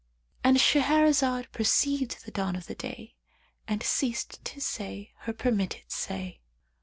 '"—And Shahrazad perceived the dawn of day and ceased saying her permitted say.